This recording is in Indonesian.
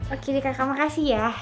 oke nih kakak makasih ya